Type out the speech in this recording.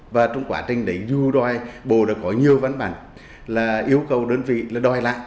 và trong quá trình đấy dù đòi bộ đã có nhiều văn bản là yêu cầu đơn vị là đòi lại